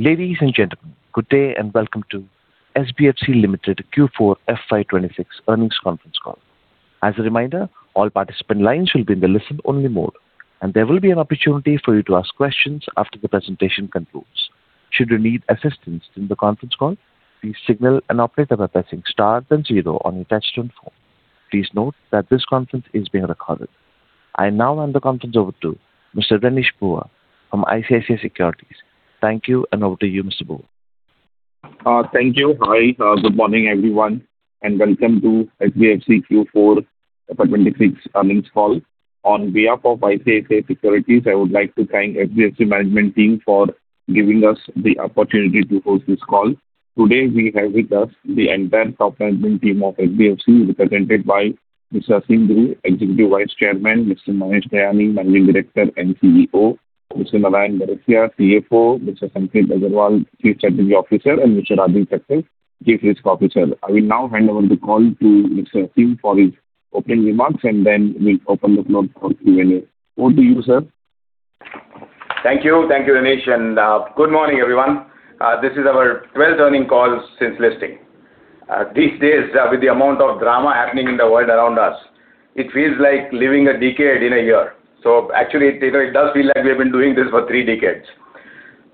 Ladies and gentlemen, good day and welcome to SBFC Limited Q4 FY 2026 earnings conference call. As a reminder, all participant lines will be in the listen-only mode, and there will be an opportunity for you to ask questions after the presentation concludes. Should you need assistance in the conference call, please signal an operator by pressing star then zero on your touchtone phone. Please note that this conference is being recorded. I now hand the conference over to Mr. Renish Bhuva from ICICI Securities. Thank you, and over to you, Mr. Bhuva. Thank you. Hi. Good morning, everyone, and welcome to SBFC Q4 FY 2026 earnings call. On behalf of ICICI Securities, I would like to thank SBFC management team for giving us the opportunity to host this call. Today we have with us the entire top management team of SBFC represented by Mr. Aseem Dhru, Executive Vice-Chairman, Mr. Mahesh Dayani, Managing Director and CEO, Mr. Narayan Barasia, CFO, Mr. Sanket Agarwal, Chief Strategy Officer, and Mr. Rajiv Thakker, Chief Risk Officer. I will now hand over the call to Mr. Aseem for his opening remarks, and then we'll open the floor for Q&A. Over to you, sir. Thank you. Thank you, Renish, and good morning, everyone. This is our 12th earnings call since listing. These days, with the amount of drama happening in the world around us, it feels like living a decade in a year. Actually, you know, it does feel like we have been doing this for three decades.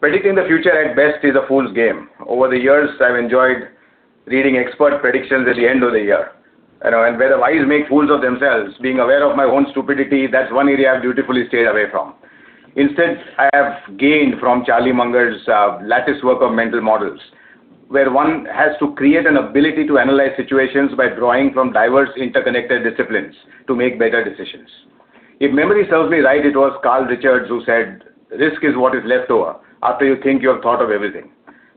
Predicting the future at best is a fool's game. Over the years, I've enjoyed reading expert predictions at the end of the year, you know, and where the wise make fools of themselves. Being aware of my own stupidity, that's one area I've dutifully stayed away from. Instead, I have gained from Charlie Munger's latticework of mental models, where one has to create an ability to analyze situations by drawing from diverse, interconnected disciplines to make better decisions. If memory serves me right, it was Carl Richards who said, "Risk is what is left over after you think you have thought of everything."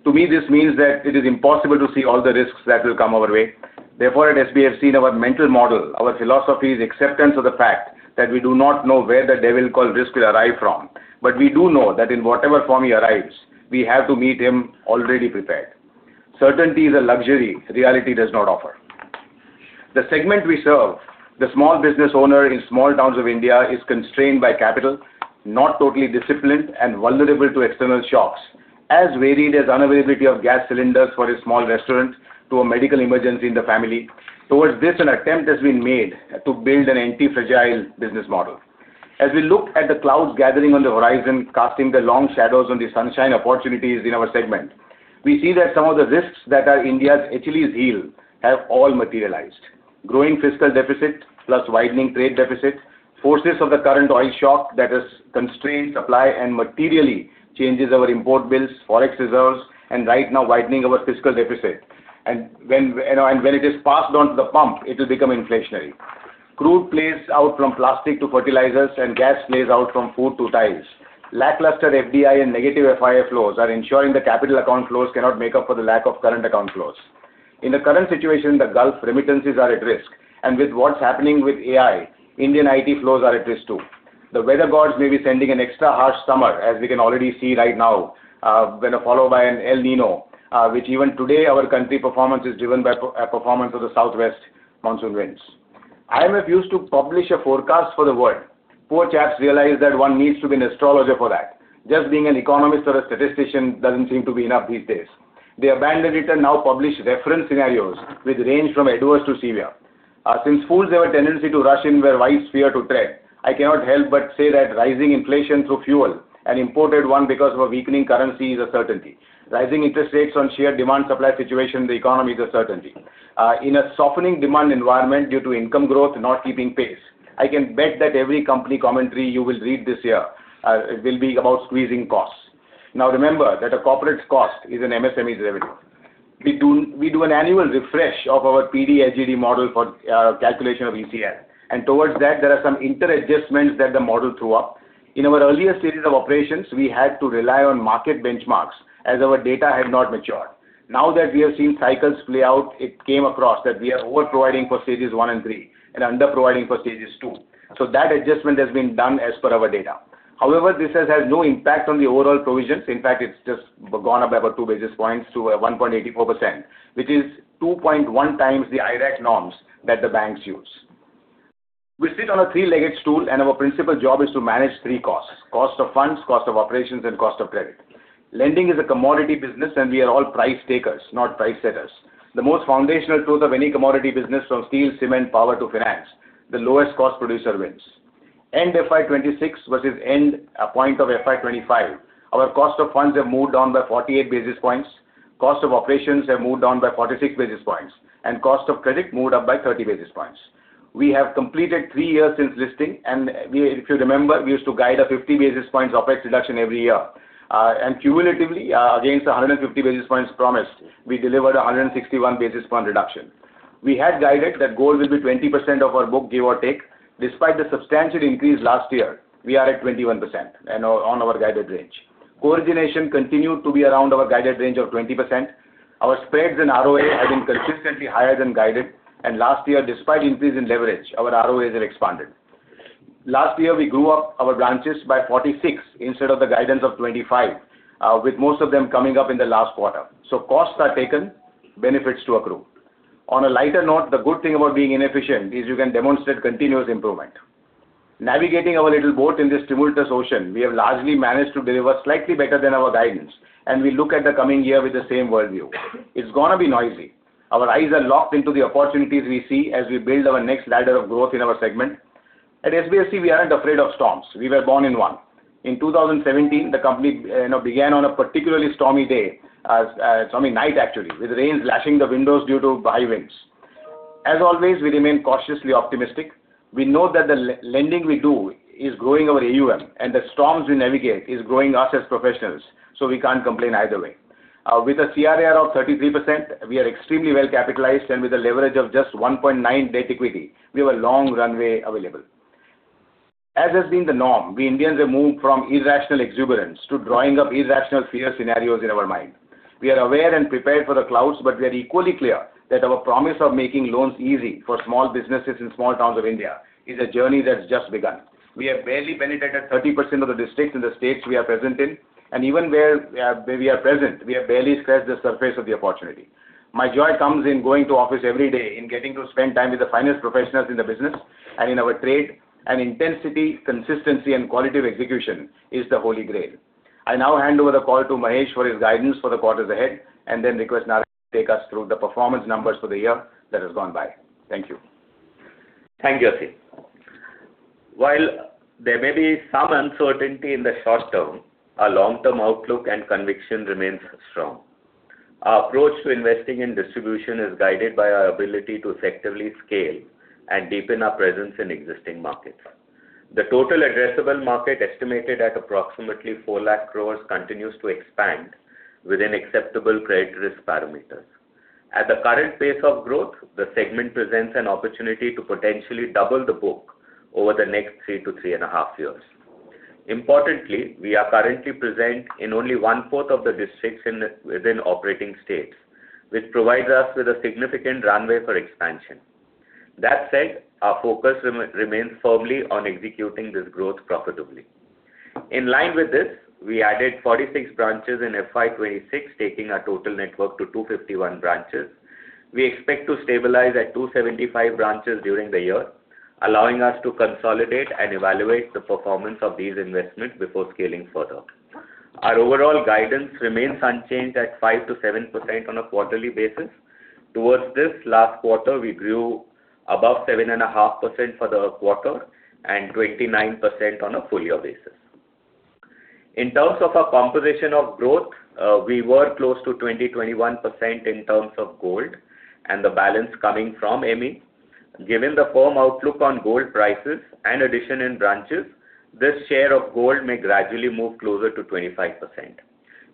To me, this means that it is impossible to see all the risks that will come our way. Therefore, at SBFC, our mental model, our philosophy is acceptance of the fact that we do not know where the devil called risk will arrive from. We do know that in whatever form he arrives, we have to meet him already prepared. Certainty is a luxury reality does not offer. The segment we serve, the small business owner in small towns of India, is constrained by capital, not totally disciplined, and vulnerable to external shocks, as varied as unavailability of gas cylinders for a small restaurant to a medical emergency in the family. Towards this, an attempt has been made to build an anti-fragile business model. As we look at the clouds gathering on the horizon, casting their long shadows on the sunshine opportunities in our segment, we see that some of the risks that are India's Achilles heel have all materialized, growing fiscal deficit plus widening trade deficit, forces of the current oil shock that has constrained supply and materially changes our import bills, Forex reserves, and right now widening our fiscal deficit. When, you know, it is passed on to the pump, it will become inflationary. Crude plays out from plastic to fertilizers, and gas plays out from food to tiles. Lackluster FDI and negative FII flows are ensuring the capital account flows cannot make up for the lack of current account flows. In the current situation, the Gulf remittances are at risk, and with what's happening with AI, Indian IT flows are at risk, too. The weather gods may be sending an extra harsh summer, as we can already see right now, when followed by an El Niño, which even today our country performance is driven by performance of the southwest monsoon winds. IMF used to publish a forecast for the world. Poor chaps realized that one needs to be an astrologer for that. Just being an economist or a statistician doesn't seem to be enough these days. They abandoned it and now publish reference scenarios which range from adverse to severe. Since fools have a tendency to rush in where wise fear to tread, I cannot help but say that rising inflation through fuel, an imported one because of a weakening currency, is a certainty. Rising interest rates on sheer demand-supply situation in the economy is a certainty. In a softening demand environment due to income growth not keeping pace, I can bet that every company commentary you will read this year will be about squeezing costs. Now, remember that a corporate's cost is an MSME's revenue. We do an annual refresh of our PD/LGD model for calculation of ECL. Towards that, there are some inter-adjustments that the model threw up. In our earlier stages of operations, we had to rely on market benchmarks as our data had not matured. Now that we have seen cycles play out, it came across that we are over-providing for stages one and three and under-providing for stages two. That adjustment has been done as per our data. However, this has had no impact on the overall provisions. In fact, it's just gone up about 2 basis points to 1.84%, which is 2.1x the IRAC norms that the banks use. We sit on a three-legged stool, and our principal job is to manage three costs, cost of funds, cost of operations, and cost of credit. Lending is a commodity business, and we are all price takers, not price setters. The most foundational truth of any commodity business from steel, cement, power to finance, the lowest cost producer wins. End FY 2026 versus end of FY 2025, our cost of funds have moved down by 48 basis points, cost of operations have moved down by 46 basis points, and cost of credit moved up by 30 basis points. We have completed three years since listing, and we If you remember, we used to guide a 50 basis points OpEx reduction every year. Cumulatively, against the 150 basis points promised, we delivered a 161 basis point reduction. We had guided that goal will be 20% of our book, give or take. Despite the substantial increase last year, we are at 21% and on our guided range. Co-origination continued to be around our guided range of 20%. Our spreads and ROA have been consistently higher than guided, and last year, despite increase in leverage, our ROAs have expanded. Last year, we grew our branches by 46 instead of the guidance of 25, with most of them coming up in the last quarter. Costs are taken, benefits to accrue. On a lighter note, the good thing about being inefficient is you can demonstrate continuous improvement. Navigating our little boat in this tumultuous ocean, we have largely managed to deliver slightly better than our guidance, and we look at the coming year with the same worldview. It's gonna be noisy. Our eyes are locked into the opportunities we see as we build our next ladder of growth in our segment. At SBFC, we aren't afraid of storms. We were born in one. In 2017, the company began on a particularly stormy day, stormy night actually, with rains lashing the windows due to high winds. As always, we remain cautiously optimistic. We know that the lending we do is growing our AUM, and the storms we navigate is growing us as professionals, so we can't complain either way. With a CRAR of 33%, we are extremely well-capitalized, and with a leverage of just 1.9 debt equity, we have a long runway available. As has been the norm, we Indians have moved from irrational exuberance to drawing up irrational fear scenarios in our mind. We are aware and prepared for the clouds, but we are equally clear that our promise of making loans easy for small businesses in small towns of India is a journey that's just begun. We have barely penetrated 30% of the districts in the states we are present in, and even where we are, we have barely scratched the surface of the opportunity. My joy comes in going to office every day and getting to spend time with the finest professionals in the business and in our trade, and intensity, consistency, and quality of execution is the holy grail. I now hand over the call to Mahesh for his guidance for the quarters ahead and then request Narayan to take us through the performance numbers for the year that has gone by. Thank you. Thank you, Aseem. While there may be some uncertainty in the short term, our long-term outlook and conviction remains strong. Our approach to investing in distribution is guided by our ability to effectively scale and deepen our presence in existing markets. The total addressable market, estimated at approximately 4 lakh crore, continues to expand within acceptable credit risk parameters. At the current pace of growth, the segment presents an opportunity to potentially double the book over the next three to three and a half years. Importantly, we are currently present in only one-fourth of the districts within operating states, which provides us with a significant runway for expansion. That said, our focus remains firmly on executing this growth profitably. In line with this, we added 46 branches in FY 2026, taking our total network to 251 branches. We expect to stabilize at 275 branches during the year, allowing us to consolidate and evaluate the performance of these investments before scaling further. Our overall guidance remains unchanged at 5%-7% on a quarterly basis. Towards this last quarter, we grew above 7.5% for the quarter and 29% on a full year basis. In terms of our composition of growth, we were close to 20%-21% in terms of gold and the balance coming from ME. Given the firm outlook on gold prices and addition in branches, this share of gold may gradually move closer to 25%.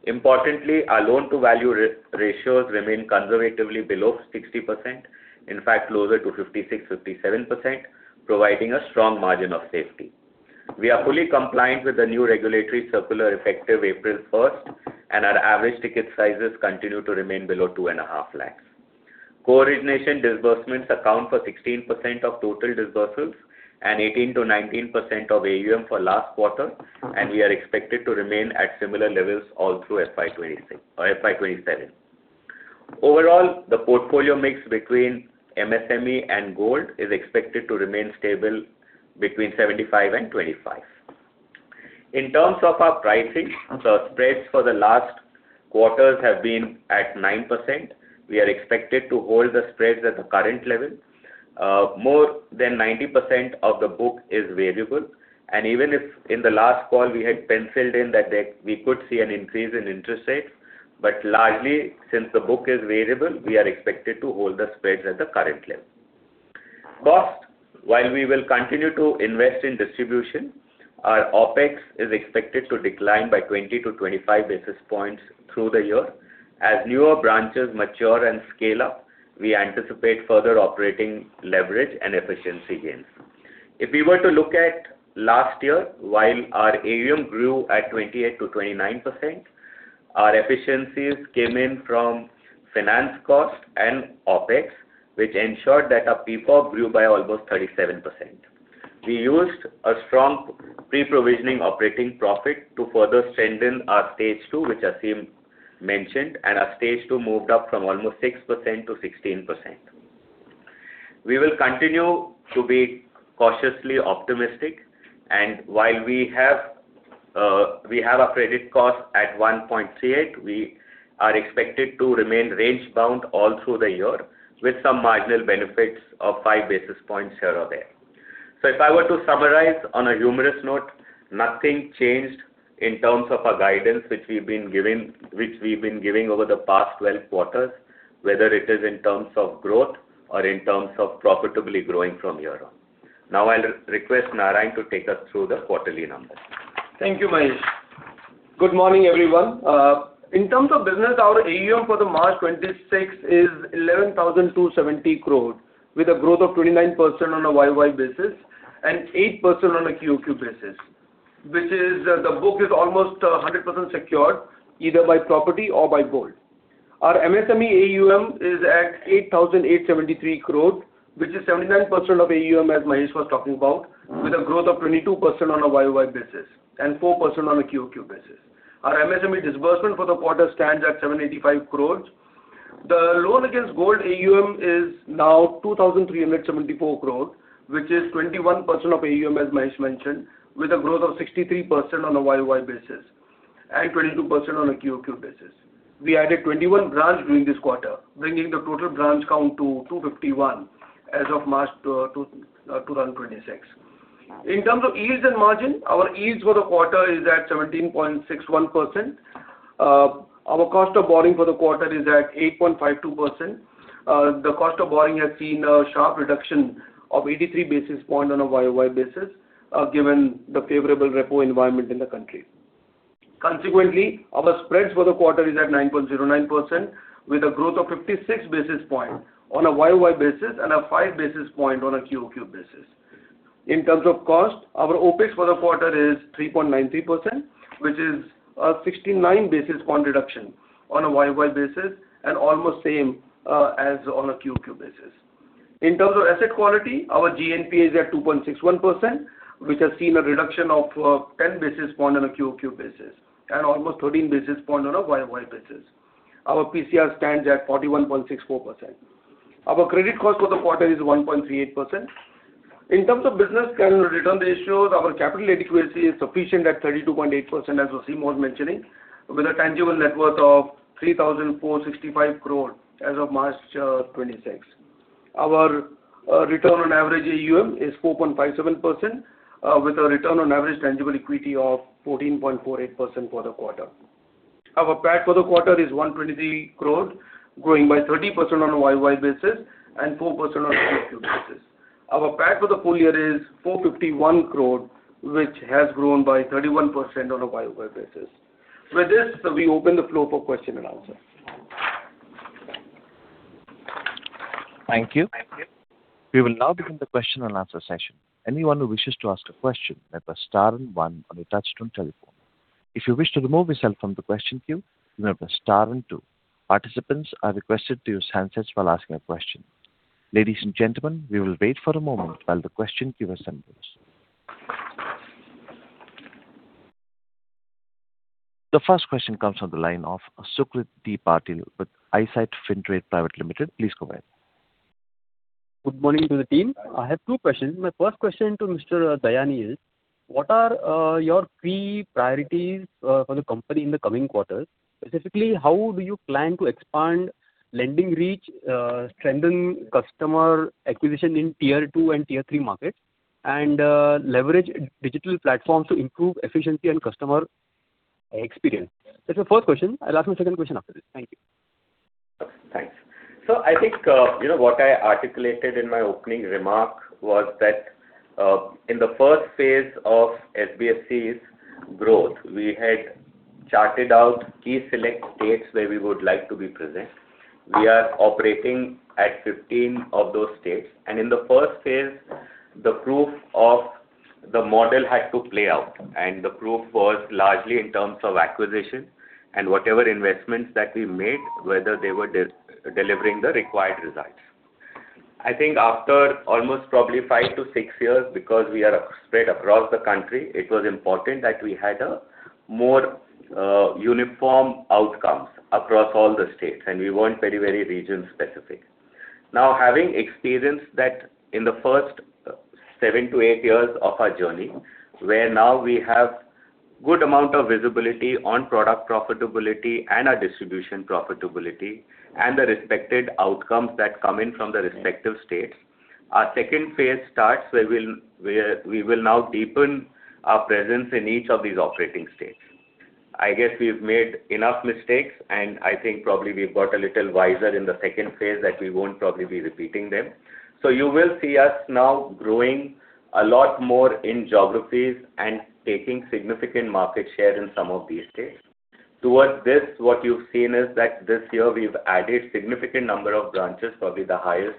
Importantly, our loan-to-value ratios remain conservatively below 60%, in fact, closer to 56%-57%, providing a strong margin of safety. We are fully compliant with the new regulatory circular effective April 1st, and our average ticket sizes continue to remain below 2.5 lakh. Co-origination disbursements account for 16% of total disbursements and 18%-19% of AUM for last quarter, and we are expected to remain at similar levels all through FY 2026 or FY 2027. Overall, the portfolio mix between MSME and gold is expected to remain stable between 75% and 25%. In terms of our pricing, spreads for the last quarters have been at 9%. We are expected to hold the spreads at the current level. More than 90% of the book is variable, and even if in the last call we had penciled in that we could see an increase in interest rates, but largely, since the book is variable, we are expected to hold the spreads at the current level. Last, while we will continue to invest in distribution, our OpEx is expected to decline by 20-25 basis points through the year. As newer branches mature and scale up, we anticipate further operating leverage and efficiency gains. If we were to look at last year, while our AUM grew at 28%-29%, our efficiencies came in from finance cost and OpEx, which ensured that our PPOP grew by almost 37%. We used a strong pre-provision operating profit to further strengthen our stage two, which Aseem mentioned, and our stage two moved up from almost 6% to 16%. We will continue to be cautiously optimistic. While we have a credit cost at 1.38%, we are expected to remain range-bound all through the year with some marginal benefits of 5 basis points here or there. If I were to summarize on a humorous note, nothing changed in terms of our guidance, which we've been giving over the past 12 quarters, whether it is in terms of growth or in terms of profitably growing from here on. Now I'll re-request Narayan to take us through the quarterly numbers. Thank you, Mahesh. Good morning, everyone. In terms of business, our AUM for the March 2026 is 11,270 crore with a growth of 29% on a YoY basis and 8% on a QoQ basis, which is, the book is almost 100% secured either by property or by gold. Our MSME AUM is at 8,873 crore, which is 79% of AUM, as Mahesh was talking about, with a growth of 22% on a YoY basis and 4% on a QoQ basis. Our MSME disbursement for the quarter stands at 785 crore. The loan against gold AUM is now 2,374 crore, which is 21% of AUM, as Mahesh mentioned, with a growth of 63% on a YoY basis and 22% on a QoQ basis. We added 21 branches during this quarter, bringing the total branch count to 251 as of March 2026. In terms of yields and margin, our yields for the quarter is at 17.61%. Our cost of borrowing for the quarter is at 8.52%. The cost of borrowing has seen a sharp reduction of 83 basis points on a YoY basis, given the favorable repo environment in the country. Consequently, our spreads for the quarter is at 9.09% with a growth of 56 basis points on a YoY basis and a 5 basis points on a QoQ basis. In terms of cost, our OpEx for the quarter is 3.93%, which is a 69 basis points reduction on a YoY basis and almost same as on a QoQ basis. In terms of asset quality, our GNPA is at 2.61%, which has seen a reduction of 10 basis points on a QoQ basis and almost 13 basis points on a YoY basis. Our PCR stands at 41.64%. Our credit cost for the quarter is 1.38%. In terms of business return ratios, our capital adequacy is sufficient at 32.8%, as Aseem was mentioning, with a tangible net worth of 3,465 crore as of March 2026. Our return on average AUM is 4.57%, with a return on average tangible equity of 14.48% for the quarter. Our PAT for the quarter is 123 crore, growing by 30% on a YoY basis and 4% on a QoQ basis. Our PAT for the full year is 451 crore, which has grown by 31% on a YoY basis. With this, we open the floor for question and answer. Thank you. We will now begin the question and answer session. Anyone who wishes to ask a question may press star and one on your touchtone telephone. If you wish to remove yourself from the question queue, you may press star and two. Participants are requested to use handsets while asking a question. Ladies and gentlemen, we will wait for a moment while the question queue assembles. The first question comes on the line of Sucrit Patil with Eyesight Fintrade Pvt Ltd. Please go ahead. Good morning to the team. I have two questions. My first question to Mr. Dayani is. What are your key priorities for the company in the coming quarters? Specifically, how do you plan to expand lending reach, strengthen customer acquisition in Tier 2 and Tier 3 markets, and leverage digital platforms to improve efficiency and customer experience? That's the first question. I'll ask my second question after this. Thank you. Thanks. I think, you know, what I articulated in my opening remark was that, in the first phase of SBFC's growth, we had charted out key select states where we would like to be present. We are operating at 15 of those states, and in the first phase, the proof of the model had to play out, and the proof was largely in terms of acquisition and whatever investments that we made, whether they were delivering the required results. I think after almost probably five to six years, because we are spread across the country, it was important that we had a more, uniform outcomes across all the states, and we weren't very, very region-specific. Now, having experienced that in the first seven to eight years of our journey, where now we have good amount of visibility on product profitability and our distribution profitability and the respective outcomes that come in from the respective states, our second phase starts where we will now deepen our presence in each of these operating states. I guess we've made enough mistakes, and I think probably we've got a little wiser in the second phase that we won't probably be repeating them. You will see us now growing a lot more in geographies and taking significant market share in some of these states. Towards this, what you've seen is that this year we've added significant number of branches, probably the highest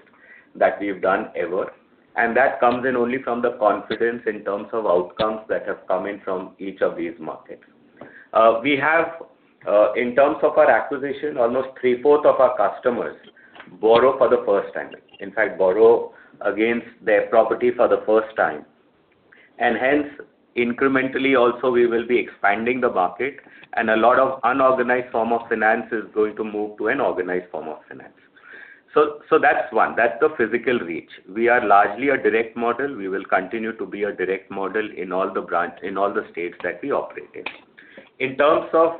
that we've done ever, and that comes in only from the confidence in terms of outcomes that have come in from each of these markets. We have, in terms of our acquisition, almost 3/4 of our customers borrow for the first time. In fact, borrow against their property for the first time. Hence, incrementally also we will be expanding the market and a lot of unorganized form of finance is going to move to an organized form of finance. So that's one. That's the physical reach. We are largely a direct model. We will continue to be a direct model in all the states that we operate in. In terms of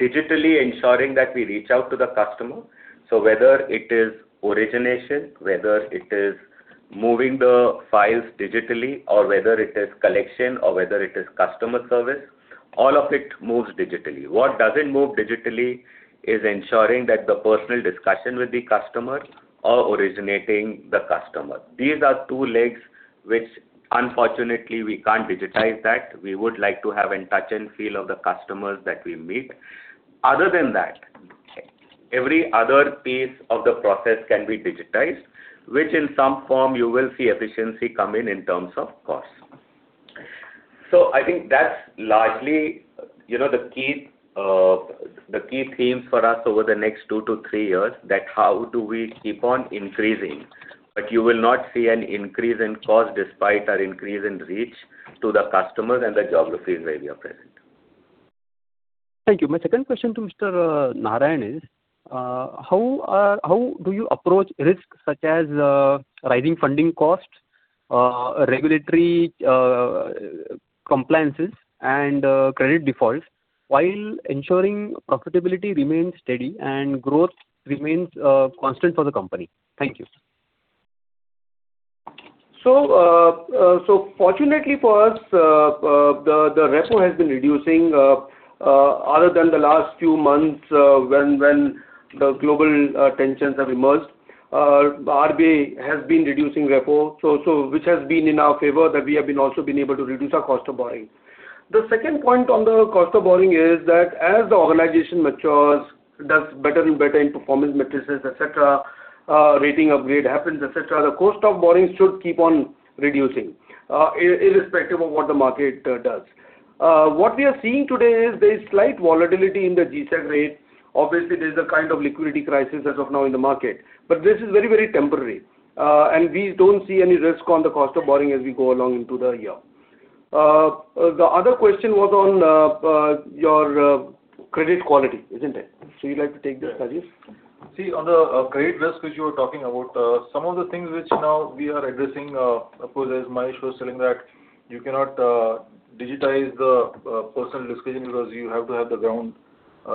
digitally ensuring that we reach out to the customer, so whether it is origination, whether it is moving the files digitally, or whether it is collection or whether it is customer service, all of it moves digitally. What doesn't move digitally is ensuring that the personal discussion with the customer or originating the customer. These are two legs which unfortunately we can't digitize that. We would like to have in touch and feel of the customers that we meet. Other than that, every other piece of the process can be digitized, which in some form you will see efficiency come in terms of cost. I think that's largely, you know, the key, the key themes for us over the next two to three years, that how do we keep on increasing, but you will not see an increase in cost despite our increase in reach to the customers and the geographies where we are present. Thank you. My second question to Mr. Narayan is, how do you approach risks such as rising funding costs, regulatory compliances and credit defaults while ensuring profitability remains steady and growth remains constant for the company? Thank you. Fortunately for us, the repo has been reducing, other than the last few months, when the global tensions have emerged. RBI has been reducing repo, which has been in our favor that we have been able to reduce our cost of borrowing. The second point on the cost of borrowing is that as the organization matures, does better and better in performance metrics, et cetera, rating upgrade happens, et cetera, the cost of borrowing should keep on reducing, irrespective of what the market does. What we are seeing today is there is slight volatility in the G-Sec rate. Obviously, there's a kind of liquidity crisis as of now in the market, but this is very temporary. We don't see any risk on the cost of borrowing as we go along into the year. The other question was on your credit quality, isn't it? You'd like to take this, Rajiv? See, on the credit risk which you were talking about, some of the things which now we are addressing, of course, as Mahesh was telling that you cannot digitize the personal discussion because you have to have the ground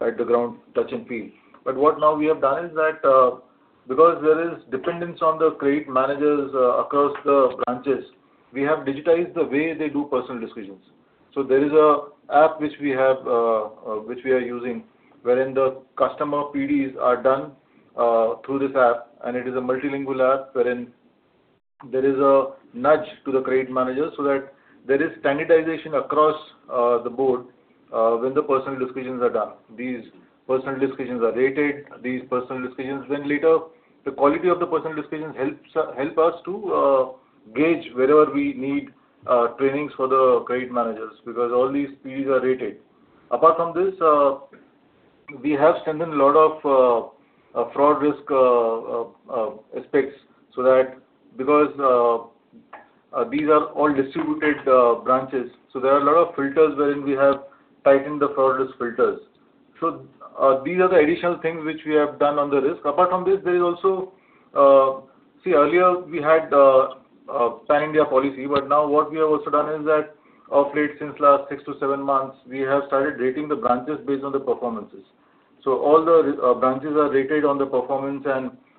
at the ground touch and feel. What now we have done is that, because there is dependence on the credit managers across the branches, we have digitized the way they do personal decisions. There is an app which we are using, wherein the customer PDs are done through this app, and it is a multilingual app wherein there is a nudge to the credit manager so that there is standardization across the board when the personal decisions are done. These personal decisions are rated. These personal decisions, when later the quality of the personal decisions helps us to gauge wherever we need trainings for the credit managers because all these PDs are rated. Apart from this, we have strengthened a lot of fraud risk aspects so that because these are all distributed branches, so there are a lot of filters wherein we have tightened the fraud risk filters. These are the additional things which we have done on the risk. Apart from this, there is also see earlier we had pan-India policy, but now what we have also done is that of late since last six to seven months, we have started rating the branches based on the performances. All the branches are rated on the performance.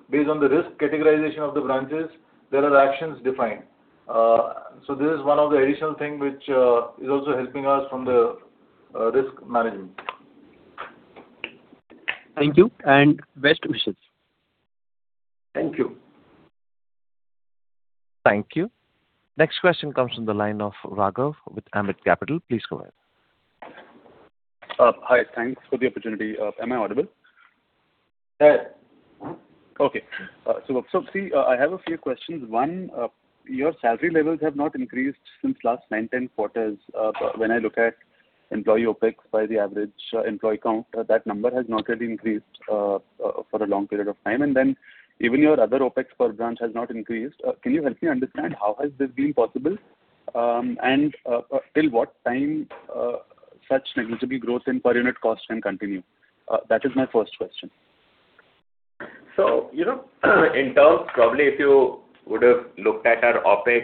Based on the risk categorization of the branches, there are actions defined. This is one of the additional thing which is also helping us in the risk management. Thank you and best wishes. Thank you. Thank you. Next question comes from the line of Raghav with Ambit Capital. Please go ahead. Hi. Thanks for the opportunity. Am I audible? Yeah. Okay. See, I have a few questions. One, your salary levels have not increased since last nine, 10 quarters. When I look at employee OpEx by the average employee count, that number has not really increased for a long period of time. Even your other OpEx per branch has not increased. Can you help me understand how has this been possible? Till what time such negligible growth in per unit cost can continue? That is my first question. You know, in terms probably if you would have looked at our OpEx,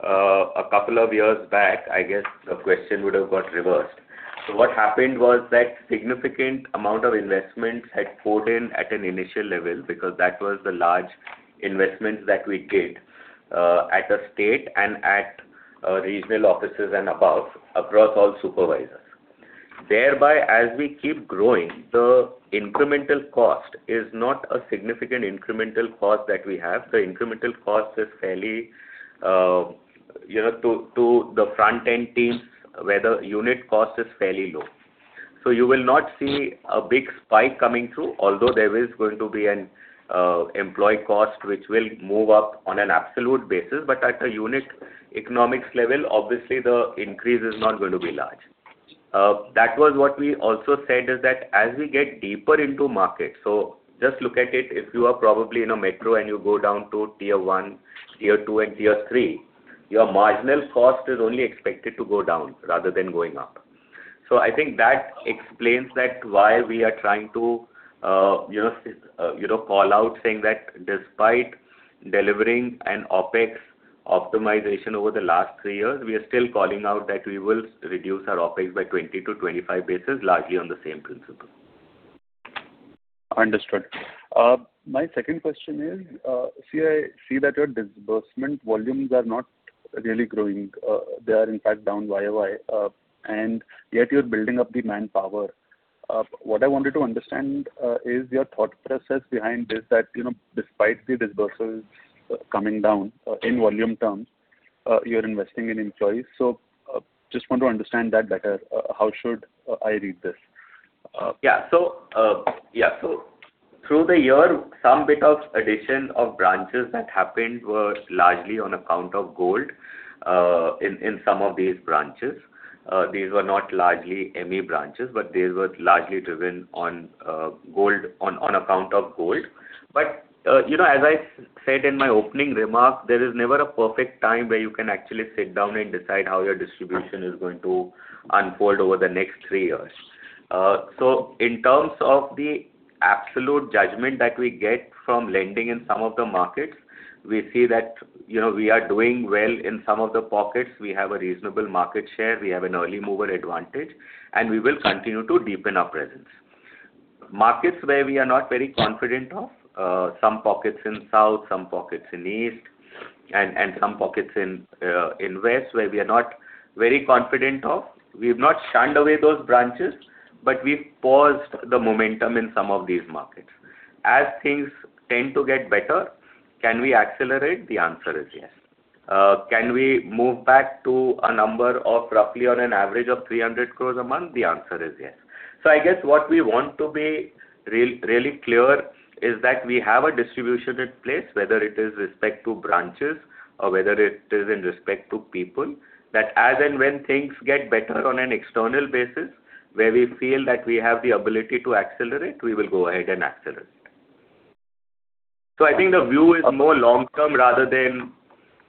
a couple of years back, I guess the question would have got reversed. What happened was that significant amount of investments had poured in at an initial level because that was the large investment that we did, at a state and at, regional offices and above, across all supervisors. Thereby, as we keep growing, the incremental cost is not a significant incremental cost that we have. The incremental cost is fairly, you know, to the front end teams where the unit cost is fairly low. You will not see a big spike coming through, although there is going to be an, employee cost which will move up on an absolute basis. At a unit economics level, obviously the increase is not going to be large. That was what we also said is that as we get deeper into market. Just look at it. If you are probably in a metro and you go down to Tier 1, Tier 2 and Tier 3, your marginal cost is only expected to go down rather than going up. I think that explains why we are trying to, you know, call out saying that despite delivering an OpEx optimization over the last three years, we are still calling out that we will reduce our OpEx by 20-25 basis points, largely on the same principle. Understood. My second question is, I see that your disbursement volumes are not really growing. They are in fact down YoY, and yet you're building up the manpower. What I wanted to understand is your thought process behind this that, you know, despite the disbursements coming down, in volume terms, you're investing in employees. I just want to understand that better. How should I read this? Through the year, some bit of addition of branches that happened were largely on account of gold in some of these branches. These were not largely MSME branches, but these were largely driven on account of gold. You know, as I said in my opening remarks, there is never a perfect time where you can actually sit down and decide how your distribution is going to unfold over the next three years. In terms of the absolute judgment that we get from lending in some of the markets, we see that, you know, we are doing well in some of the pockets. We have a reasonable market share, we have an early mover advantage, and we will continue to deepen our presence. Markets where we are not very confident of, some pockets in south, some pockets in east and some pockets in west, where we are not very confident of, we've not shied away those branches, but we've paused the momentum in some of these markets. As things tend to get better, can we accelerate? The answer is yes. Can we move back to a number of roughly or an average of 300 crore a month? The answer is yes. I guess what we want to be really clear is that we have a distribution in place, whether it is with respect to branches or whether it is with respect to people, that as and when things get better on an external basis, where we feel that we have the ability to accelerate, we will go ahead and accelerate. I think the view is more long-term rather than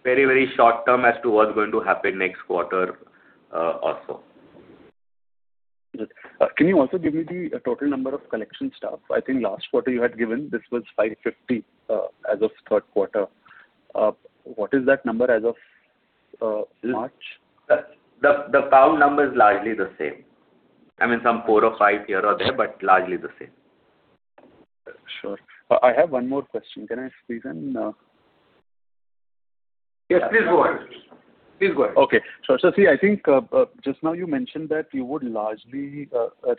very, very short-term as to what's going to happen next quarter, or so. Good. Can you also give me the total number of collection staff? I think last quarter you had given this was 550, as of third quarter. What is that number as of March? The account number is largely the same. I mean, some four or five here or there, but largely the same. Sure. I have one more question. Can I squeeze in? No? Yes, please go ahead. I think just now you mentioned that you would largely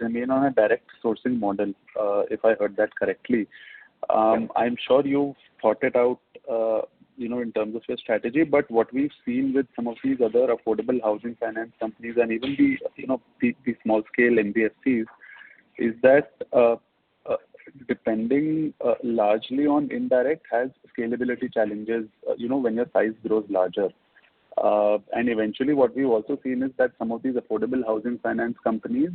remain on a direct sourcing model, if I heard that correctly. I'm sure you've thought it out, you know, in terms of your strategy. What we've seen with some of these other affordable housing finance companies and even the, you know, the small-scale NBFCs, is that depending largely on indirect has scalability challenges, you know, when your size grows larger. Eventually what we've also seen is that some of these affordable housing finance companies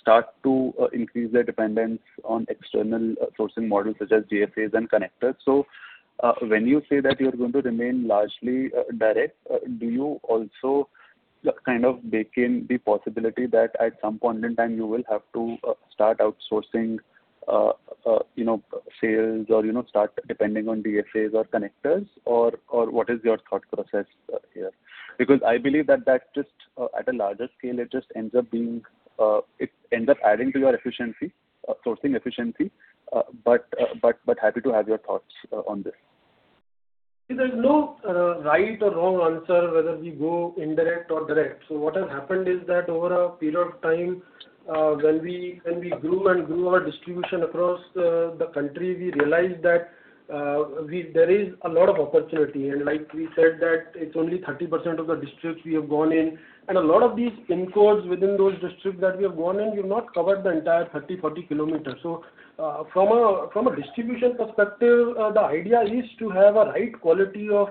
start to increase their dependence on external sourcing models such as DSAs and connectors. When you say that you're going to remain largely direct, do you also kind of bake in the possibility that at some point in time you will have to start outsourcing, you know, sales or, you know, start depending on DSAs or connectors or what is your thought process here? Because I believe that just at a larger scale, it just ends up adding to your efficiency, sourcing efficiency. But happy to have your thoughts on this. There's no right or wrong answer whether we go indirect or direct. What has happened is that over a period of time, when we grew our distribution across the country, we realized that there is a lot of opportunity. Like we said that it's only 30% of the districts we have gone in, and a lot of these pin codes within those districts that we have gone in, we've not covered the entire 30 km to 40 km. From a distribution perspective, the idea is to have a right quality of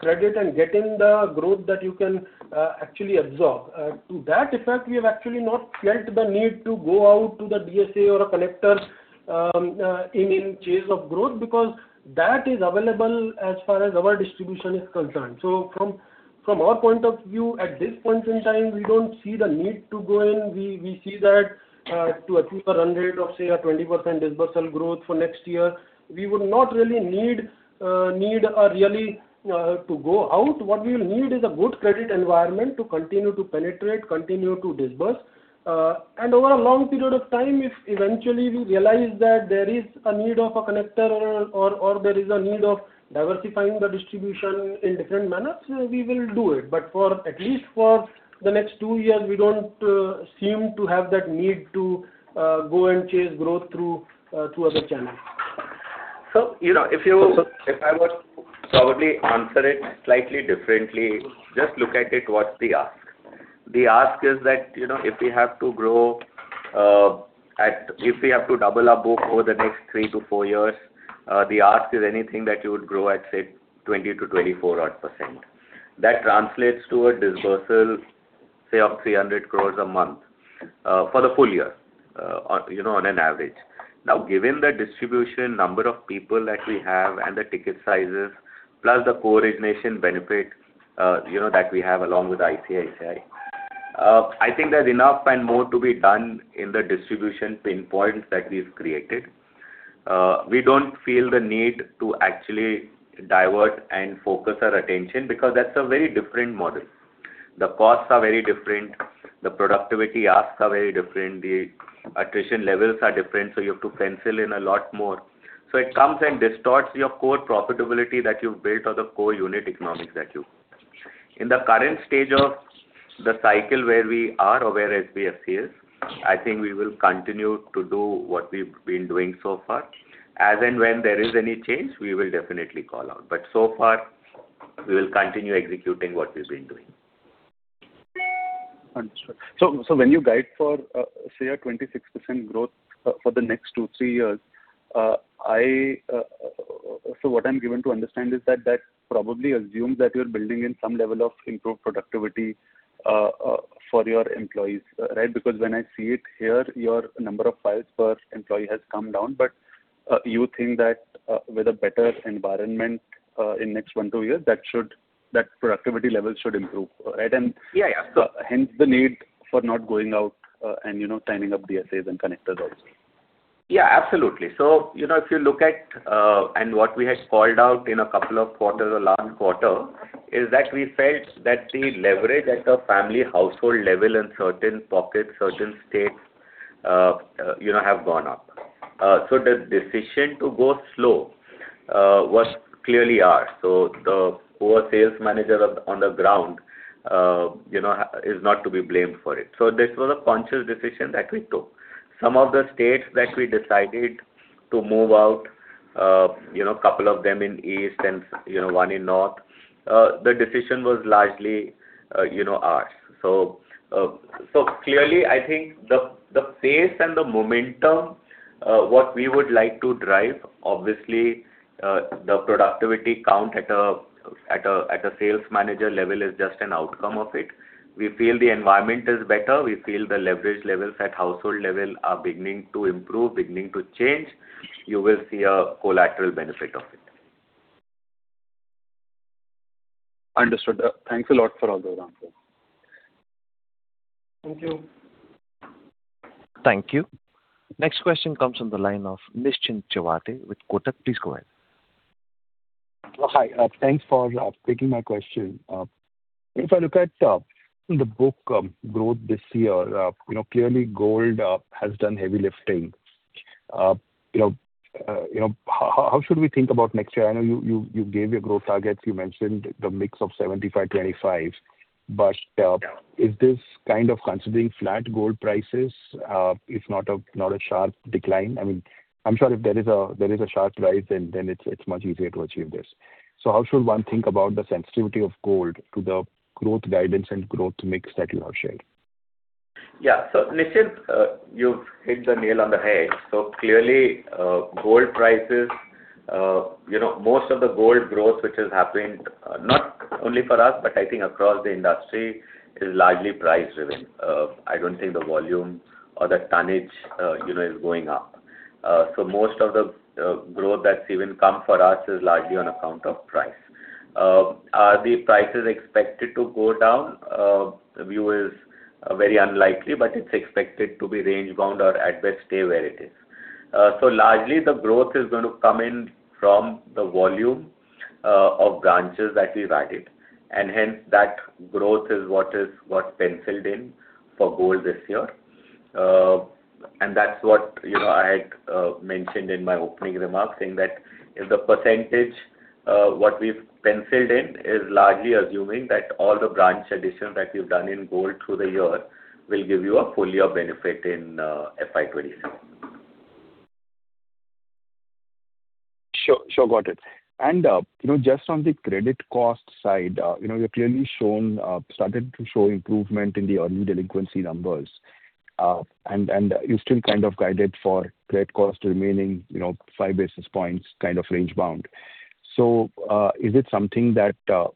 credit and getting the growth that you can actually absorb. To that effect, we have actually not felt the need to go out to the DSA or a connector in chase of growth because that is available as far as our distribution is concerned. From our point of view, at this point in time, we don't see the need to go in. We see that to achieve a run rate of, say, a 20% disbursal growth for next year, we would not really need to go out. What we will need is a good credit environment to continue to penetrate, continue to disburse. Over a long period of time, if eventually we realize that there is a need of a connector or there is a need of diversifying the distribution in different manners, we will do it. For at least the next two years, we don't seem to have that need to go and chase growth through other channels. You know, if I were to probably answer it slightly differently, just look at it. What's the ask? The ask is that if we have to double our book over the next three to four years, the ask is anything that you would grow at, say, 20%-24% odd. That translates to a disbursal, say, of 300 crore a month for the full year on an average. Now, given the distribution number of people that we have and the ticket sizes, plus the co-origination benefit that we have along with ICICI, I think there's enough and more to be done in the distribution pinpoints that we've created. We don't feel the need to actually divert and focus our attention because that's a very different model. The costs are very different, the productivity asks are very different, the attrition levels are different, so you have to pencil in a lot more. It comes and distorts your core profitability that you've built or the core unit economics that you've built. In the current stage of the cycle where we are or where SBFC is, I think we will continue to do what we've been doing so far. As and when there is any change, we will definitely call out. So far, we will continue executing what we've been doing. Understood. When you guide for, say, 26% growth for the next two, three years, what I'm given to understand is that that probably assumes that you're building in some level of improved productivity for your employees, right? Because when I see it here, your number of files per employee has come down, but you think that with a better environment in next one, two years, that productivity level should improve, right? Yeah, yeah. Hence the need for not going out, you know, tying up the DSAs and connectors also. Yeah, absolutely. You know, if you look at and what we had called out in a couple of quarters or last quarter, is that we felt that the leverage at a family household level in certain pockets, certain states, you know, have gone up. The decision to go slow was clearly ours. The poor sales manager on the ground, you know, is not to be blamed for it. This was a conscious decision that we took. Some of the states that we decided to move out, you know, couple of them in east and, you know, one in north, the decision was largely, you know, ours. Clearly, I think the pace and the momentum what we would like to drive, obviously, the productivity count at a sales manager level is just an outcome of it. We feel the environment is better. We feel the leverage levels at household level are beginning to improve, beginning to change. You will see a collateral benefit of it. Understood. Thanks a lot for all the answers. Thank you. Thank you. Next question comes from the line of Nischint Chawathe with Kotak. Please go ahead. Hi. Thanks for taking my question. If I look at the book growth this year, you know, clearly gold has done heavy lifting. You know, how should we think about next year? I know you gave your growth targets. You mentioned the mix of 75-25. But is this kind of considering flat gold prices, if not a sharp decline? I mean, I'm sure if there is a sharp rise, then it's much easier to achieve this. How should one think about the sensitivity of gold to the growth guidance and growth mix that you have shared? Yeah. Nischint, you've hit the nail on the head. Clearly, gold prices, you know, most of the gold growth which has happened, not only for us, but I think across the industry, is largely price-driven. I don't think the volume or the tonnage, you know, is going up. Most of the growth that's even come for us is largely on account of price. Are the prices expected to go down? The view is very unlikely, but it's expected to be range bound or at best stay where it is. Largely the growth is going to come in from the volume of branches that we've added, and hence that growth is what's penciled in for gold this year. That's what, you know, I had mentioned in my opening remarks, saying that if the percentage what we've penciled in is largely assuming that all the branch addition that we've done in gold through the year will give you a full year benefit in FY 2027. Sure. Got it. You know, just on the credit cost side, you know, started to show improvement in the early delinquency numbers. You still kind of guided for credit cost remaining, you know, 5 basis points kind of range bound. Is it something that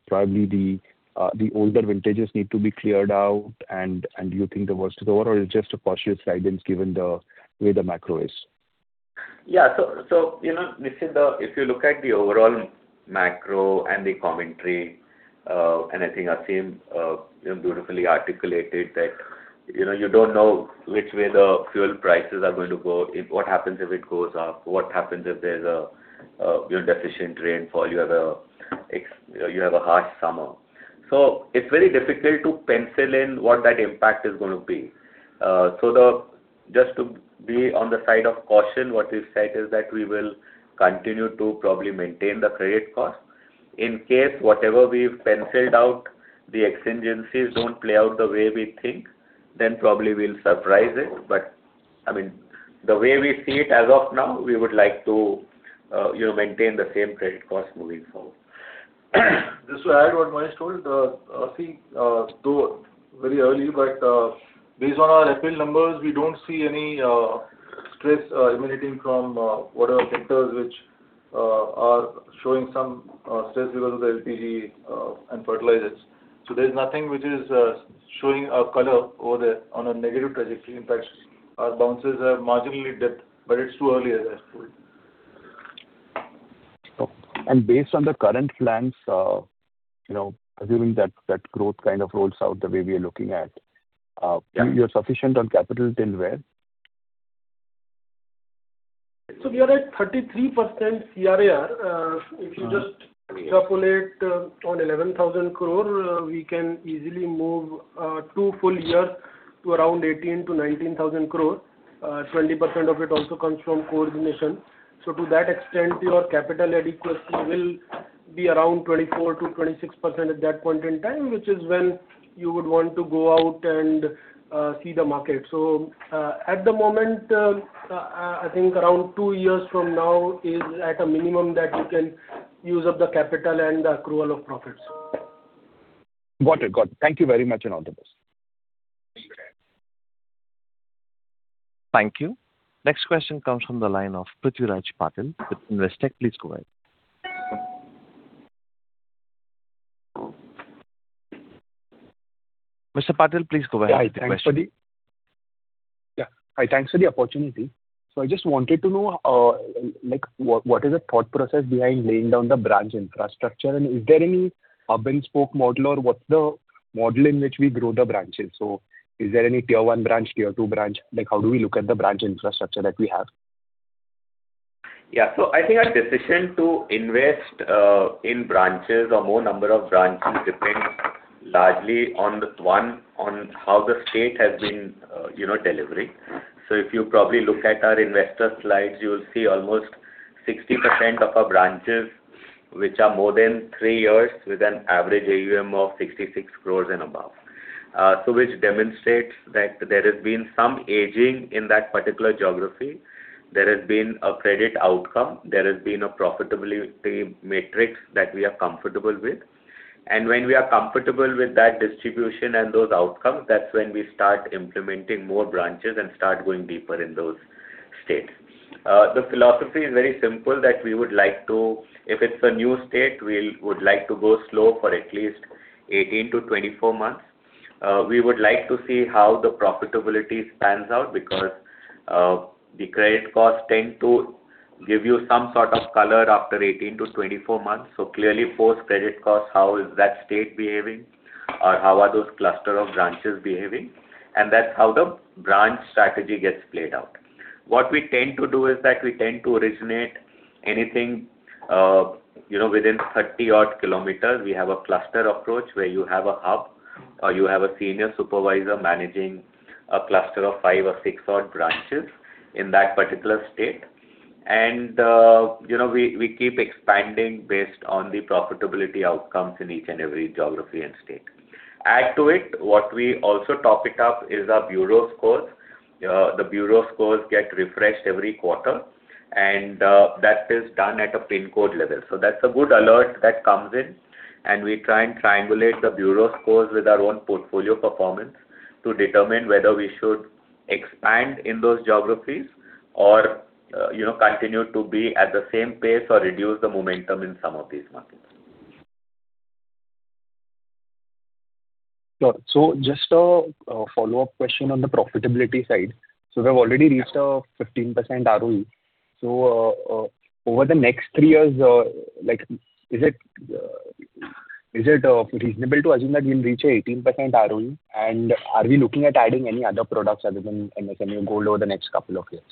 probably the older vintages need to be cleared out and you think the worst is over or it's just a cautious guidance given the way the macro is? Yeah. You know, Nischint, if you look at the overall macro and the commentary, and I think Aseem, you know, beautifully articulated that, you know, you don't know which way the fuel prices are going to go. What happens if it goes up? What happens if there's a, you know, deficient rainfall, you have a harsh summer? It's very difficult to pencil in what that impact is gonna be. Just to be on the side of caution, what we've said is that we will continue to probably maintain the credit cost. In case whatever we've penciled out, the exigencies don't play out the way we think, then probably we'll surprise it. I mean, the way we see it as of now, we would like to, you know, maintain the same credit cost moving forward. Just to add what Mahesh told, I think, though very early, but based on our AUM numbers, we don't see any stress emanating from whatever sectors which are showing some stress because of the LPG and fertilizers. There's nothing which is showing a color over there on a negative trajectory. In fact, our balances are marginally dipped, but it's too early as I told. Based on the current plans, you know, assuming that growth kind of rolls out the way we are looking at, Yeah. You're sufficient on capital till where? We are at 33% CRAR. If you just extrapolate on 11,000 crore, we can easily move two full years to around 18,000 crore-19,000 crore. 20% of it also comes from co-origination. To that extent, your capital adequacy will be around 24%-26% at that point in time, which is when you would want to go out and see the market. At the moment, I think around two years from now is at a minimum that you can use up the capital and accrual of profits. Got it. Thank you very much and all the best. Thank you. Next question comes from the line of Prithviraj Patil with Investec. Please go ahead. Mr. Patil, please go ahead with the question. Hi, thanks for the opportunity. I just wanted to know, like, what is the thought process behind laying down the branch infrastructure? Is there any hub-and-spoke model or what's the model in which we grow the branches? Is there any Tier 1 branch, Tier 2 branch? Like, how do we look at the branch infrastructure that we have? I think our decision to invest in branches or more number of branches depends largely on how the state has been, you know, delivering. If you probably look at our investor slides, you will see almost 60% of our branches, which are more than three years with an average AUM of 66 crore and above. Which demonstrates that there has been some aging in that particular geography. There has been a credit outcome. There has been a profitability matrix that we are comfortable with. When we are comfortable with that distribution and those outcomes, that's when we start implementing more branches and start going deeper in those states. The philosophy is very simple, that we would like to if it's a new state, would like to go slow for at least 18-24 months. We would like to see how the profitability pans out because the credit costs tend to give you some sort of color after 18-24 months. Clearly post credit costs, how is that state behaving or how are those cluster of branches behaving? That's how the branch strategy gets played out. What we tend to do is that we tend to originate anything, you know, within 30-odd kilometers. We have a cluster approach where you have a hub, or you have a senior supervisor managing a cluster of five or six-odd branches in that particular state. You know, we keep expanding based on the profitability outcomes in each and every geography and state. Add to it, what we also top it up is our bureau scores. The bureau scores get refreshed every quarter, and that is done at a PIN code level. So that's a good alert that comes in, and we try and triangulate the bureau scores with our own portfolio performance to determine whether we should expand in those geographies or, you know, continue to be at the same pace or reduce the momentum in some of these markets. Sure. Just a follow-up question on the profitability side. We've already reached a 15% ROE. Over the next three years, like is it reasonable to assume that we'll reach 18% ROE? And are we looking at adding any other products other than MSME gold over the next couple of years?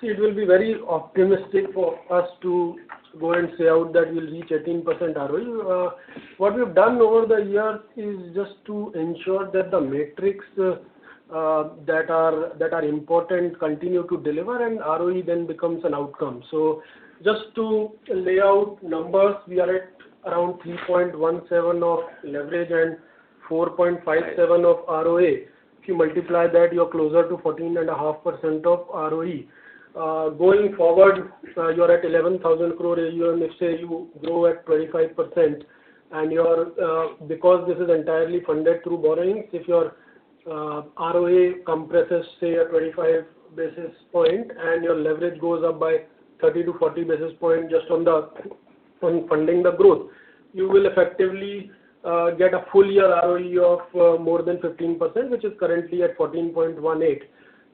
See, it will be very optimistic for us to go and say outright that we'll reach 18% ROE. What we've done over the years is just to ensure that the metrics that are important continue to deliver and ROE then becomes an outcome. Just to lay out numbers, we are at around 3.17 of leverage and 4.57% of ROA. If you multiply that, you're closer to 14.5% of ROE. Going forward, you're at 11,000 crore AUM. If, say, you grow at 25% because this is entirely funded through borrowings. If your ROA compresses, say, 25 basis points and your leverage goes up by 30-40 basis points just on funding the growth, you will effectively get a full year ROE of more than 15%, which is currently at 14.18%.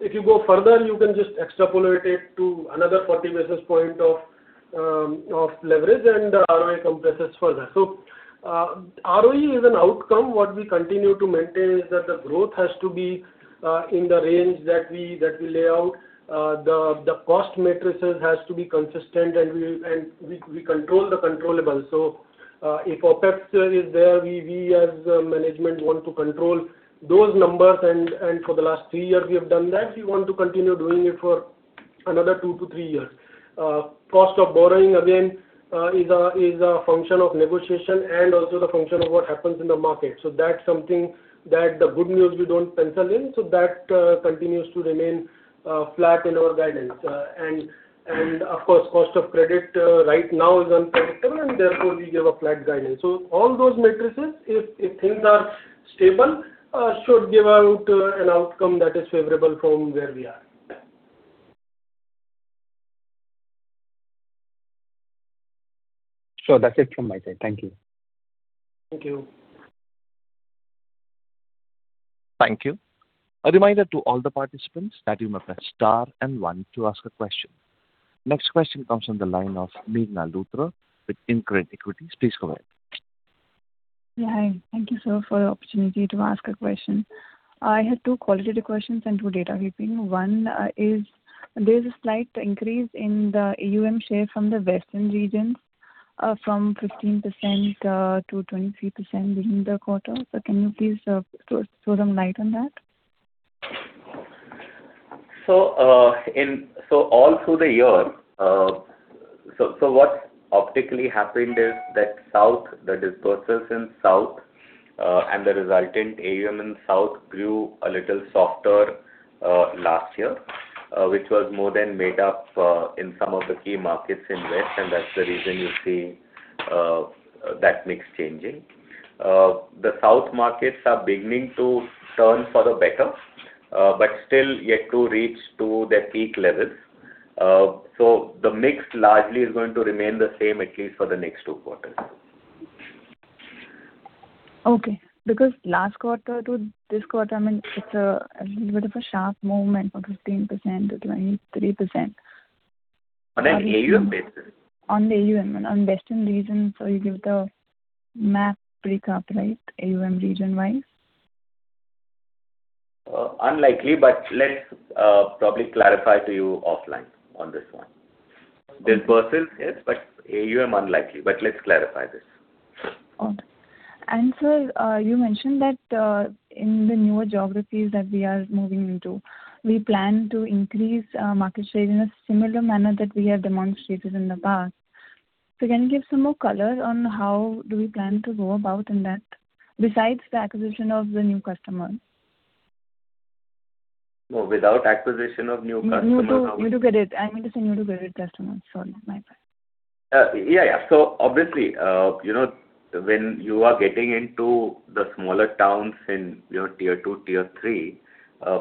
If you go further, you can just extrapolate it to another 40 basis points of leverage and the ROA compresses further. ROE is an outcome. What we continue to maintain is that the growth has to be in the range that we lay out. The cost matrices has to be consistent and we control the controllables. If OpEx is there, we as management want to control those numbers. For the last three years we have done that. We want to continue doing it for another two to three years. Cost of borrowing again is a function of negotiation and also the function of what happens in the market. That's something that the good news we don't pencil in. That continues to remain flat in our guidance. Of course, cost of credit right now is unpredictable and therefore we give a flat guidance. All those metrics if things are stable should give out an outcome that is favorable from where we are. Sure. That's it from my side. Thank you. Thank you. Thank you. A reminder to all the participants that you must press star and one to ask a question. Next question comes from the line of Meghna Luthra with InCred Equities. Please go ahead. Hi. Thank you, sir, for the opportunity to ask a question. I had two qualitative questions and two data points. One is there's a slight increase in the AUM share from the western regions from 15%-23% within the quarter. Can you please throw some light on that? All through the year, what's optically happened is that in South, the disbursals in South and the resulting AUM in South grew a little softer last year. Which was more than made up in some of the key markets in West, and that's the reason you see that mix changing. The South markets are beginning to turn for the better, but still yet to reach to their peak levels. The mix largely is going to remain the same at least for the next two quarters. Okay. Because last quarter to this quarter, I mean, it's a little bit of a sharp movement from 15%-23%. That's AUM basis. On the AUM. On western region, so you give the month breakup, right? AUM region-wise. Unlikely, but let's probably clarify to you offline on this one. Disbursals, yes, but AUM unlikely. Let's clarify this. Got it. Sir, you mentioned that in the newer geographies that we are moving into, we plan to increase market share in a similar manner that we have demonstrated in the past. Can you give some more color on how do we plan to go about in that besides the acquisition of the new customers? No, without acquisition of new customers how we. New to credit. I mean to say new to credit customers. Sorry, my bad. Obviously, you know, when you are getting into the smaller towns in your Tier 2, Tier 3,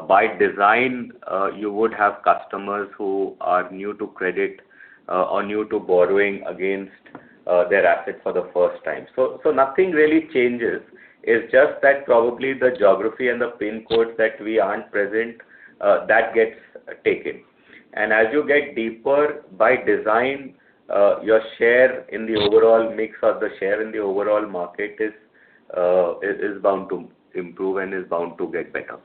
by design, you would have customers who are new to credit, or new to borrowing against their asset for the first time. Nothing really changes. It's just that probably the geography and the pin codes that we aren't present, that gets taken. As you get deeper, by design, your share in the overall mix or the share in the overall market is bound to improve and is bound to get better.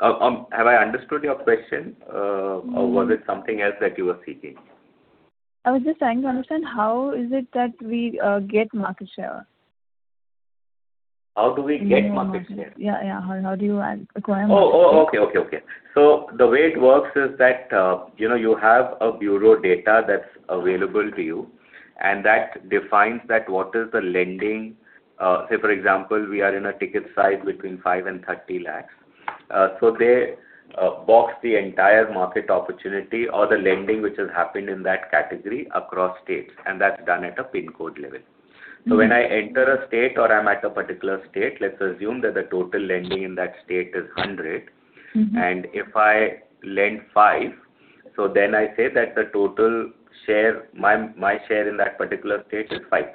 Have I understood your question? Mm-hmm. Was it something else that you were seeking? I was just trying to understand how is it that we get market share? How do we get market share? Yeah, yeah. How do you acquire market share? Okay. The way it works is that, you know, you have a bureau data that's available to you, and that defines what is the lending. Say for example, we are in a ticket size between 5 lakh and 30 lakh. They box the entire market opportunity or the lending which has happened in that category across states, and that's done at a pin code level. Mm-hmm. When I enter a state or I'm at a particular state, let's assume that the total lending in that state is 100 lakh. Mm-hmm. If I lend 5 lakh, so then I say that the total share, my share in that particular state is 5%.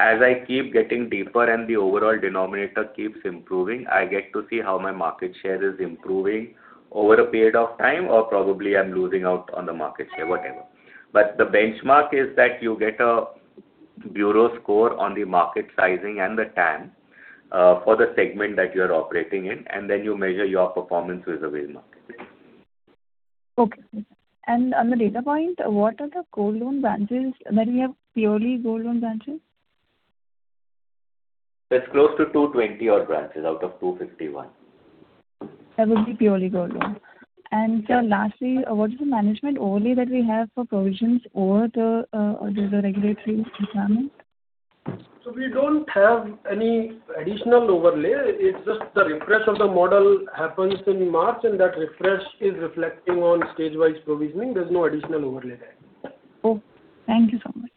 As I keep getting deeper and the overall denominator keeps improving, I get to see how my market share is improving over a period of time or probably I'm losing out on the market share, whatever. The benchmark is that you get a bureau score on the market sizing and the TAM, for the segment that you're operating in, and then you measure your performance vis-à-vis market. Okay. On the data point, what are the gold loan branches that we have purely gold loan branches? It's close to 220-odd branches out of 251. That would be purely gold loan. Sir, lastly, what is the management overlay that we have for provisions over the regulatory requirement? We don't have any additional overlay. It's just the refresh of the model happens in March, and that refresh is reflecting on stage wise provisioning. There's no additional overlay there. Cool. Thank you so much.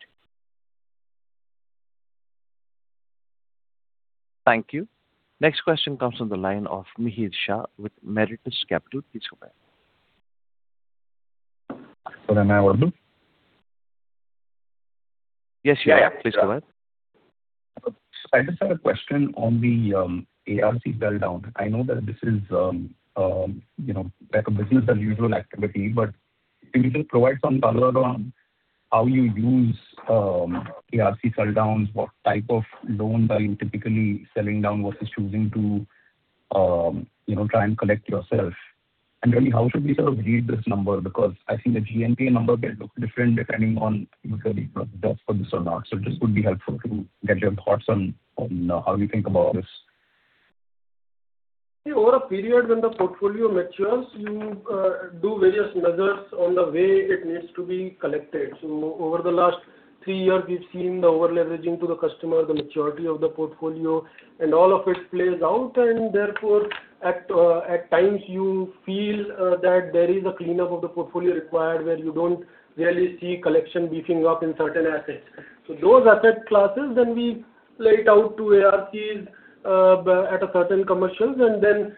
Thank you. Next question comes from the line of Mihir Shah with Meritus Capital. Please go ahead. Sir, am I audible? Yes, you are. Please go ahead. I just had a question on the ARC sell down. I know that this is you know, like a business as usual activity, but can you just provide some color on how you use ARC sell downs? What type of loans are you typically selling down versus choosing to you know, try and collect yourself? And then how should we sort of read this number? Because I think the GNPA number can look different depending on whether you adjust for this or not. Just would be helpful to get your thoughts on how you think about this. Over a period when the portfolio matures, you do various measures on the way it needs to be collected. Over the last three years, we've seen the over-leveraging to the customer, the maturity of the portfolio, and all of it plays out and therefore at times you feel that there is a cleanup of the portfolio required where you don't really see collection beefing up in certain assets. Those asset classes then we lay it out to ARCs at a certain commercials and then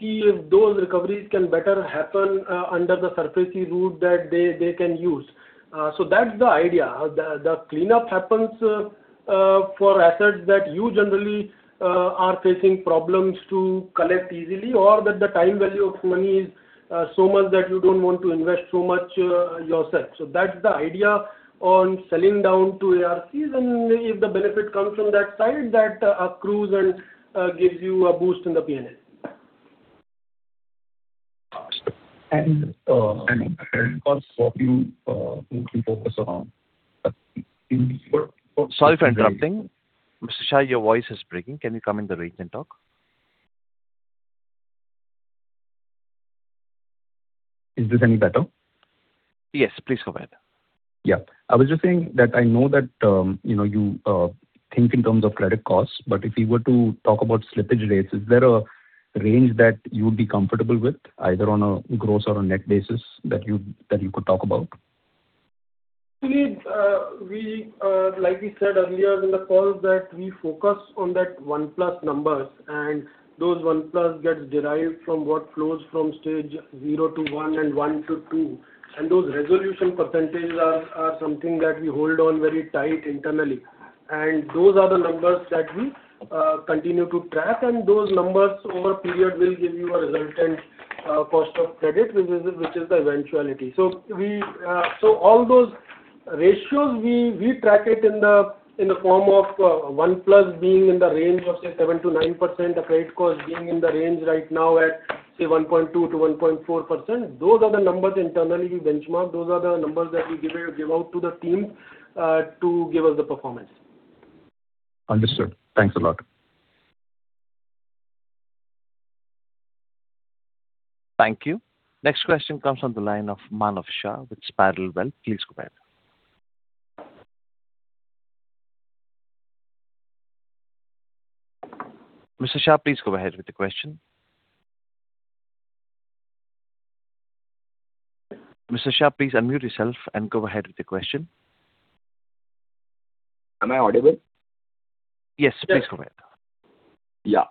see if those recoveries can better happen under the SARFAESI route that they can use. That's the idea. The cleanup happens for assets that you generally are facing problems to collect easily or that the time value of money is so much that you don't want to invest too much yourself. That's the idea on selling down to ARCs, and if the benefit comes from that side, that accrues and gives you a boost in the P&L. Of course what you usually focus on in your- Sorry for interrupting. Mr. Shah, your voice is breaking. Can you come in the range and talk? Is this any better? Yes, please go ahead. Yeah. I was just saying that I know that, you know, you think in terms of credit costs, but if you were to talk about slippage rates, is there a range that you would be comfortable with either on a gross or a net basis that you could talk about? We like we said earlier in the call that we focus on that one plus numbers and those one plus gets derived from what flows from stage zero to one and one to two. Those resolution percentages are something that we hold on very tight internally. Those are the numbers that we continue to track. Those numbers over a period will give you a resultant cost of credit, which is the eventuality. All those ratios, we track it in the form of one plus being in the range of, say, 7%-9%, the credit cost being in the range right now at, say, 1.2%-1.4%. Those are the numbers internally we benchmark. Those are the numbers that we give out to the teams to give us the performance. Understood. Thanks a lot. Thank you. Next question comes on the line of Manav Shah with Spiral Wealth. Please go ahead. Mr. Shah, please go ahead with the question. Mr. Shah, please unmute yourself and go ahead with the question. Am I audible? Yes, please go ahead. Yeah.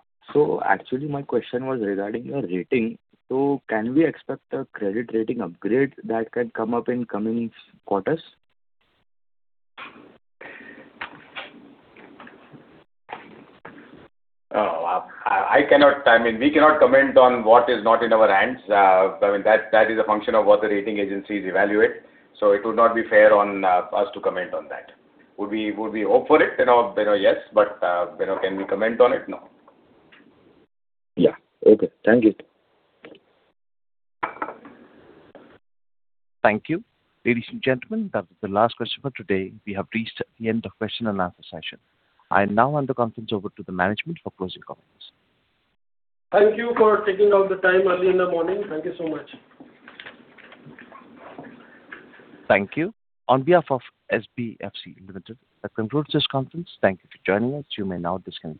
Actually my question was regarding your rating. Can we expect a credit rating upgrade that can come up in coming quarters? I mean, we cannot comment on what is not in our hands. I mean, that is a function of what the rating agencies evaluate, so it would not be fair on us to comment on that. Would we hope for it? You know, yes. You know, can we comment on it? No. Yeah. Okay. Thank you. Thank you. Ladies and gentlemen, that was the last question for today. We have reached the end of question and answer session. I now hand the conference over to the management for closing comments. Thank you for taking out the time early in the morning. Thank you so much. Thank you. On behalf of SBFC Limited, that concludes this conference. Thank you for joining us. You may now disconnect.